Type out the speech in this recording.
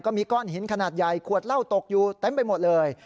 มีก้อนหินขนาดใหญ่ขวดเหล้าตกอยู่เต็มไปหมดเลย